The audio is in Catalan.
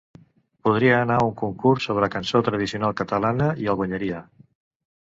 Podria anar a un concurs sobre cançó tradicional catalana i el guanyaria.